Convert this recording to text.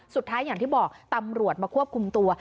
สุดท้ายอย่างที่บอกตำรวจมาควบคุมตัว